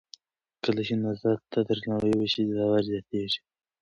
کله چې نظر ته درناوی وشي، باور زیاتېږي.